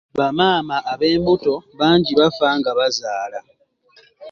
Bamaama ab'embuto bangi bafa nga bazaala.